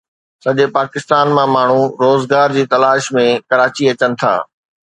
سڄي پاڪستان مان ماڻهو روزگار جي تلاش ۾ ڪراچي اچن ٿا